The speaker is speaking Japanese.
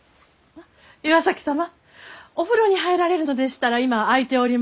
岩崎様お風呂に入られるのでしたら今空いております。